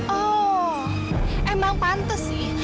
oh emang pantes sih